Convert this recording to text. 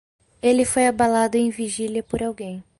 Ele foi abalado em vigília por alguém.